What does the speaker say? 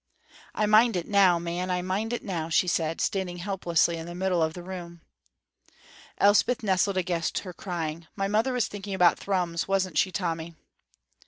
"I mind it now, man, I mind it now," she said, standing helplessly in the middle of the room. Elspeth nestled against her, crying, "My mother was thinking about Thrums, wasn't she, Tommy?"